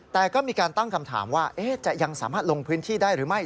แต่ก็มีการตั้งคำถามว่าจะยังสามารถลงพื้นที่ได้หรือไม่